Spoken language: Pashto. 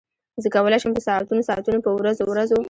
زه کولای شم په ساعتونو ساعتونو په ورځو ورځو.